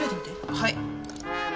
はい。